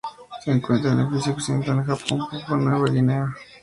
Se encuentra en el Pacífico occidental: el Japón, Papúa Nueva Guinea y Fiyi.